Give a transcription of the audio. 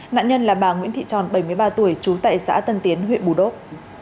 nạn nhân là bà nguyễn thị tròn bảy mươi ba tuổi trú tại xã tân tiến huyện bù đốc